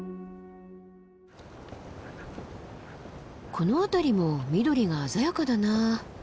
この辺りも緑が鮮やかだな。